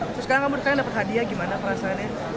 terus sekarang kamu percaya dapat hadiah gimana perasaannya